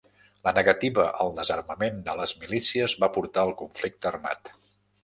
La negativa al desarmament de les milícies va portar al conflicte armat.